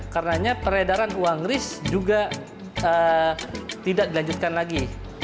karenanya peredaran uang risk juga tidak dilanjutkan lagi